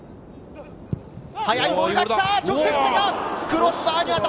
速いボールが来た！